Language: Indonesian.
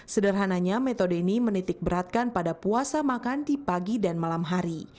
sederhananya metode ini menitik beratkan pada puasa makan di pagi dan malam hari